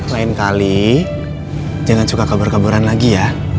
lain kali jangan suka kabar kabaran lagi ya